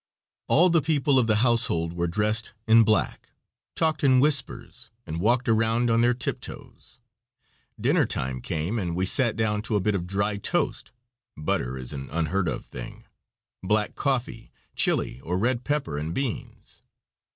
All the people of the household were dressed in black, talked in whispers, and walked around on their tiptoes. Dinner time came and we sat down to a bit of dry toast (butter is an unheard of thing), black coffee, chile, or red pepper, and beans.